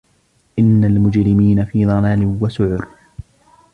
إِنَّ الْمُجْرِمِينَ فِي ضَلالٍ وَسُعُرٍ